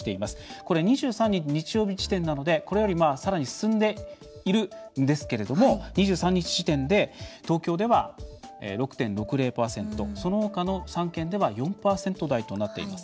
これは２３日、日曜日時点なのでこれより、さらに進んでいるんですが２３日時点で東京では６．６０％そのほかの３県では４％台となっています。